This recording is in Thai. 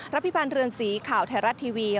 พิพันธ์เรือนสีข่าวไทยรัฐทีวี